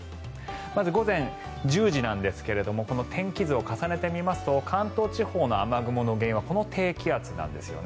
まず午前１０時なんですが天気図を重ねてみますと関東地方の雨雲の原因はこの低気圧なんですね。